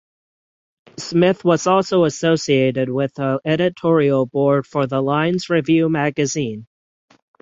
Smith was also associated with the editorial board for the Lines Review magazine.